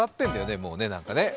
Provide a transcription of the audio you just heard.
もうね、何かね。